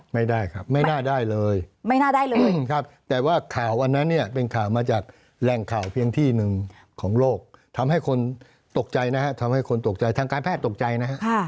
ไม่ได้ครับไม่น่าได้เลยไม่น่าได้เลยครับแต่ว่าข่าวอันนั้นเนี่ยเป็นข่าวมาจากแหล่งข่าวเพียงที่หนึ่งของโลกทำให้คนตกใจนะฮะทำให้คนตกใจทางการแพทย์ตกใจนะฮะ